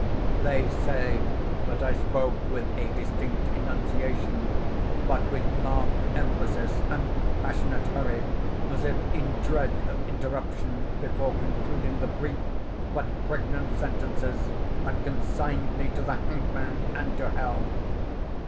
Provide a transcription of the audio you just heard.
They say that I spoke with a distinct enunciation, but with marked emphasis and passionate hurry, as if in dread of interruption before concluding the brief but pregnant sentences that consigned me to the hangman and to hell.